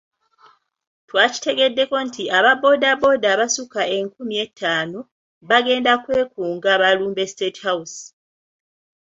Twakitegeddeko nti aba boda boda abasukka enkumi etaano bagenda kwekunga balumbe State House.